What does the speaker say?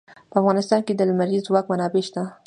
په افغانستان کې د لمریز ځواک منابع شته.